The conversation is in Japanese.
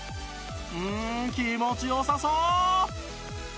うん気持ちよさそう！